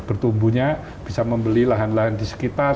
bertumbuhnya bisa membeli lahan lahan di sekitar